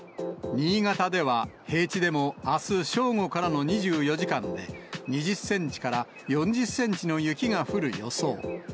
新潟では、平地でもあす正午からの２４時間で、２０センチから４０センチの雪が降る予想。